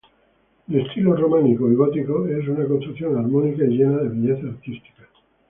De estilo románico y gótico, es una construcción armónica y llena de belleza artística.